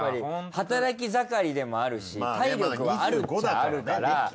働き盛りでもあるし体力はあるっちゃあるから。